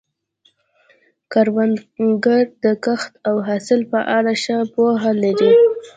کروندګر د کښت او حاصل په اړه ښه پوهه لري